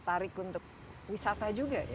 tarik untuk wisata juga